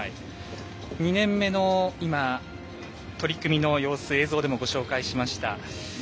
２年目の今取り組みの様子映像でもご紹介しました。